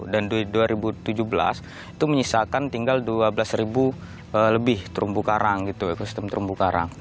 dan dua ribu tujuh belas itu menyisakan tinggal dua belas ribu ekosistem terumbu karang